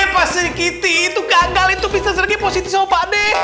pak sergiti itu gagal itu bisa sergi positi sama pak d